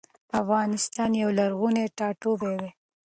افغانستان يو لرغوني ټاټوبي دي